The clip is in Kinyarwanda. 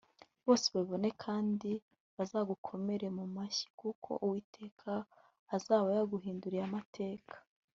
bose babibone kandi bazagukomera mu mashyi kuko uwiteka azaba yaguhinduriye amateka